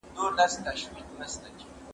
زه اجازه لرم چي مېوې وچوم